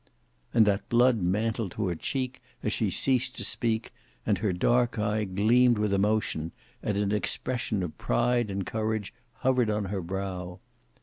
And that blood mantled to her cheek as she ceased to speak, and her dark eye gleamed with emotion, and an expression of pride and courage hovered on her brow.